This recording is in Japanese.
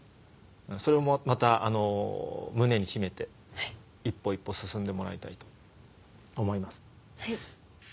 それもまた胸に秘めて一歩一歩進んでもらいたいと思います。